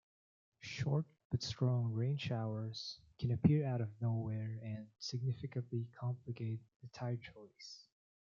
Short but strong rainshowers can appear out of nowhere and significantly complicate the tyre-choice.